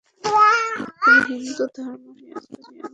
তিনি হিন্দু ধর্মশাস্ত্র নিয়ে আলোচনা করেছিলেন।